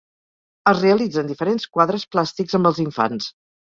Es realitzen diferents quadres plàstics amb els infants.